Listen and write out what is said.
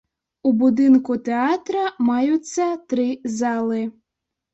У будынку тэатра маюцца тры залы.